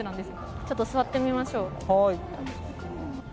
ちょっと座ってみましょう。